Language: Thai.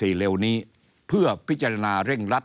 เร็วนี้เพื่อพิจารณาเร่งรัด